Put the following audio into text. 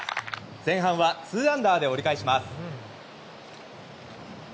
前半は２アンダーで折り返します。